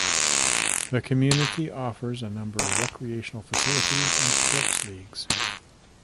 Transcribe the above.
The community offers a number of recreational facilities and sports leagues.